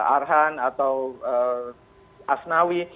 arhan atau asnawi